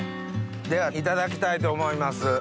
ではいただきたいと思います。